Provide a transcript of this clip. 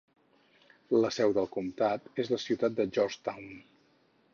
La seu del comtat és la ciutat de Georgetown.